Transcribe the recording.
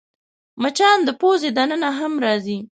مچان د پوزې دننه هم راځي